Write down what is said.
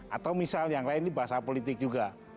atau misalnya yang lain di bahasa politik juga